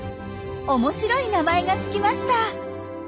面白い名前がつきました。